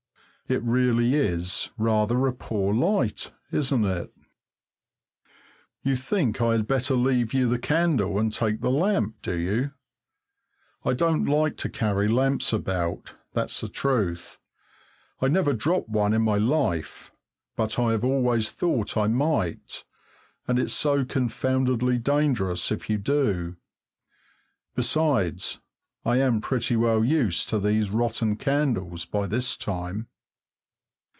It really is rather a poor light, isn't it? You think I had better leave you the candle and take the lamp, do you? I don't like to carry lamps about, that's the truth. I never dropped one in my life, but I have always thought I might, and it's so confoundedly dangerous if you do. Besides, I am pretty well used to these rotten candles by this time.